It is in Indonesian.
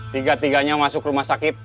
tiga tiganya masuk rumah sakit